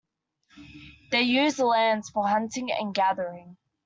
They used the lands for hunting and gathering.